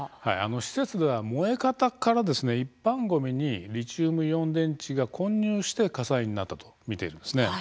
施設では燃え方から一般ごみにリチウムイオン電池が混入して火災になったと見ているんです。